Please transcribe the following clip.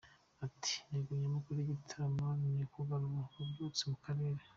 Ati "Intego nyamukuru y’igitaramo ni ukugarura ububyutse mu karere.